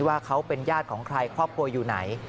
ว่าเขาเป็นญาติของใครครอบครัวอยู่ไหน